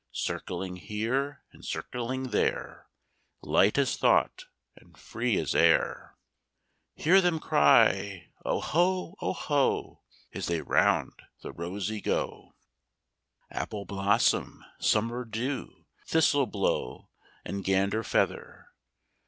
Circling here and circling there, Light as thought and free as air, Hear them cry, "Oho, oho,"As they round the rosey go. Appleblossom, Summerdew, Thistleblow, and Ganderfeather!